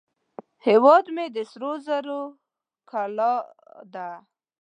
هیواد مې د سرو زرو کلاه ده